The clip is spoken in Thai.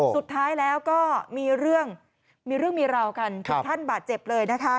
สุดท้ายแล้วก็มีเรื่องมีเรื่องมีราวกันถึงขั้นบาดเจ็บเลยนะคะ